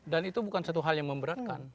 dan itu bukan satu hal yang memberatkan